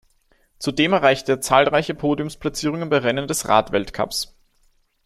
Zudem erreichte er zahlreiche Podiumsplatzierungen bei Rennen des Rad-Weltcups.